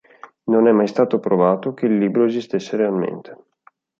Non è mai stato provato che il libro esistesse realmente.